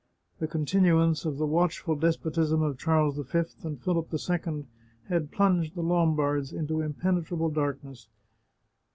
The con tinuance of the watchful despotism of Charles V and Philip II had plunged the Lombards into impenetrable darkness.